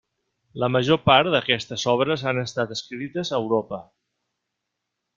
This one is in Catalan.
La major part d'aquestes obres han estat escrites a Europa.